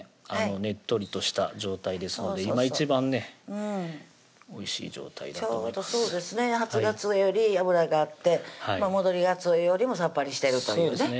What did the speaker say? ねっとりとした状態ですので今一番ねおいしい状態だとちょうどそうですね初がつおより脂があって戻りがつおよりもさっぱりしてるというね